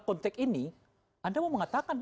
konteks ini anda mau mengatakan